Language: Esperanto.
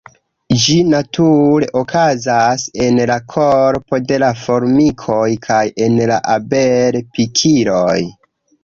Ĝi nature okazas en la korpo de la formikoj kaj en la abel-pikiloj.